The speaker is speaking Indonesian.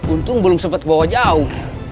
untung belum sempat ke bawah jauh